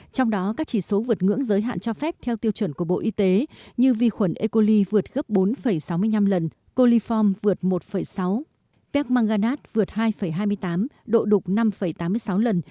trong đó các chỉ số vượt ngưỡng giới hạn cho phép theo tiêu chuẩn của bộ y tế như vi khuẩn ecoli vượt gấp bốn sáu mươi năm lần coliform vượt một sáu pec mangganat vượt hai hai mươi tám độ đục năm tám mươi sáu lần